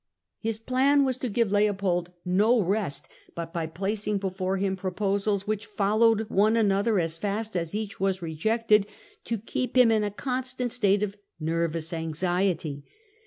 His plan was to give Leopold no rest, but, by placing before him proposals which followed one De Gremon another as fast as each was rejected, to keep vilie. him in a constant state of nervous anxiety.